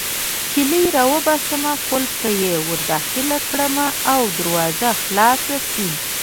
کیلۍ راوباسم، قلف ته يې ورداخله کړم او دروازه خلاصه شي.